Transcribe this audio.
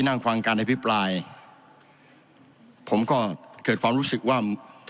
นั่งฟังการอภิปรายผมก็เกิดความรู้สึกว่า